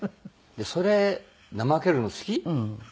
それ怠けるの好き？